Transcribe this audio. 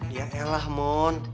ya elah mon